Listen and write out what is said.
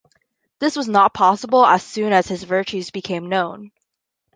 This was not possible, as soon his virtues became known.